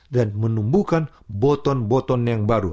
dan menumbuhkan boton boton yang baru